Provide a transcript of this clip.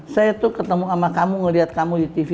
saya tuh ketemu sama kamu ngeliat kamu di tv